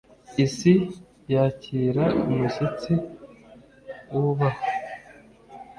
Isi, yakira umushyitsi wubahwa: